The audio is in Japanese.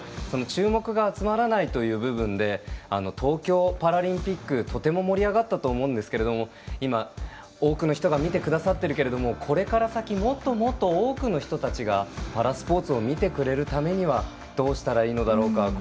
その注目が集まらない部分で東京パラリンピックはとても盛り上がったと思うんですが今、多くの人が見てくださってるけれどもこれから先もっともっと多くの人たちがパラスポーツを見てくれるためにどうしたらいいのだろうか。